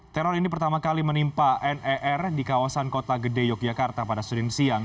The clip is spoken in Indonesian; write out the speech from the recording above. teror ini pertama kali menimpa ner di kawasan kota gede yogyakarta pada sudin siang